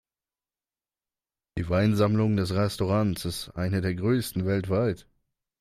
Die Weinsammlung des Restaurants ist eine der größten weltweit.